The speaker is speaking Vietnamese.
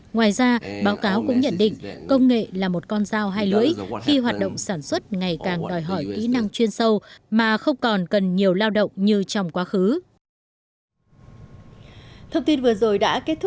ngoài ra báo cáo cũng nhận định công nghệ là một con dao hai lưỡi khi hoạt động sản xuất ngày càng đòi hỏi kỹ năng chuyên sâu mà không còn cần nhiều lao động như trong quá khứ